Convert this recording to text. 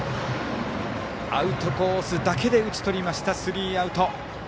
アウトコースだけで打ち取りました、スリーアウト。